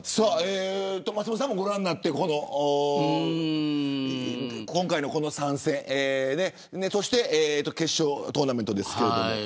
松本さんもご覧になって今回の３戦そして決勝トーナメントですが。